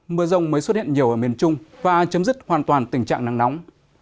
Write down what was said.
mưa rông mới xuất hiện nhiều ở miền trung và chấm dứt hoàn toàn tình trạng nắng nóng